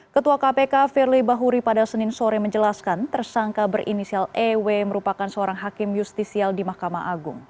ketua kpk firly bahuri pada senin sore menjelaskan tersangka berinisial ew merupakan seorang hakim justisial di mahkamah agung